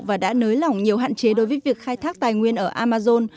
và đã nới lỏng nhiều hạn chế đối với việc khai thác tài nguyên ở amazon